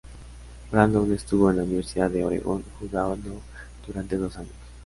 Brandon estuvo en la Universidad de Oregon jugando durante dos años.